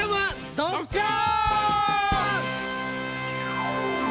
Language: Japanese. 「ドッカン」！